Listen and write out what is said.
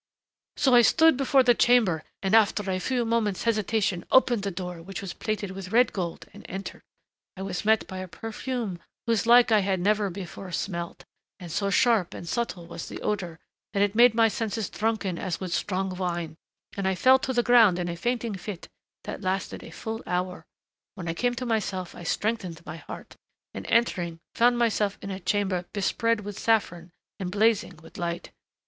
"So I stood before the chamber, and after a few moments' hesitation, opened the door which was plated with red gold and entered. I was met by a perfume whose like I had never before smelt; and so sharp and subtle was the odor that it made my senses drunken as with strong wine, and I fell to the ground in a fainting fit which lasted a full hour. When I came to myself I strengthened my heart, and entering found myself in a chamber bespread with saffron and blazing with light....